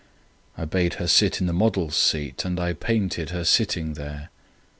I bade her sit in the model's seat And I painted her sitting there.